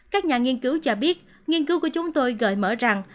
các nhà nghiên cứu cho biết nghiên cứu của chúng tôi gợi mở rằng